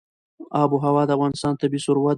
آب وهوا د افغانستان طبعي ثروت دی.